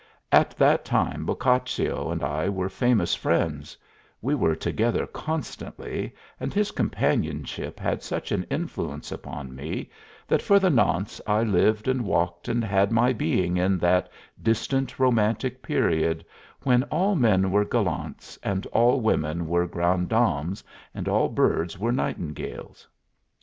At that time Boccaccio and I were famous friends; we were together constantly, and his companionship had such an influence upon me that for the nonce I lived and walked and had my being in that distant, romantic period when all men were gallants and all women were grandes dames and all birds were nightingales.